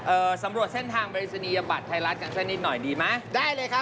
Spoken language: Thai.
เอ่อสำรวจเส้นทางบริษัทยาบัตรไทยรัฐกันสิ่งนี้หน่อยดีไหมได้เลยครับ